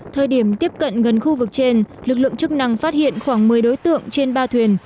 thời điểm tiếp cận gần khu vực trên lực lượng chức năng phát hiện khoảng một mươi đối tượng trên ba thuyền